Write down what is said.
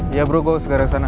ya bro gue segera kesana